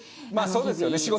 まあそうですよね。